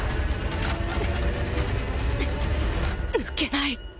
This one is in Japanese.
抜けない！